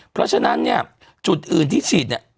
เพราะฉะนั้นเนี่ยจุดอื่นที่ฉีดเนี่ย